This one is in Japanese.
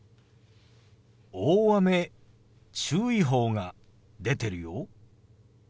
大雨注意報が出てるよ。